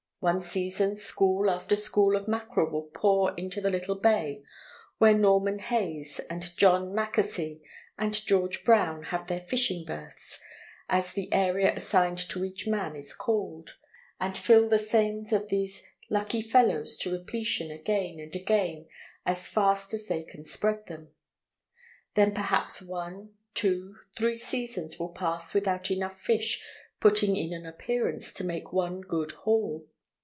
One season, school after school of mackerel will pour into the little bay where Norman Hays and John Mackesey and George Brown have their fishing "berths," as the area assigned to each man is called, and fill the seines of these lucky fellows to repletion again and again as fast as they can spread them. Then perhaps one, two, three seasons will pass without enough fish putting in an appearance to make one good haul.